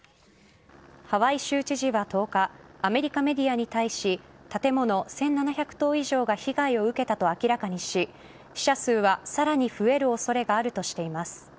ハワイ州知事は１０日アメリカメディアに対し建物１７００棟以上が被害を受けたと明らかにし死者数はさらに増える恐れがあるとしています。